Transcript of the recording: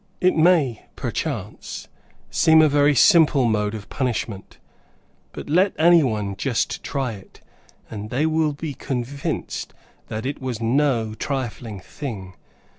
It may, perchance, seem a very simple mode of punishment, but let any one just try it, and they will be convinced that it was no trifling thing.